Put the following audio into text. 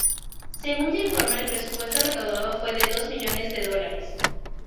Según se informa, el presupuesto recaudado fue de dos millones de dólares.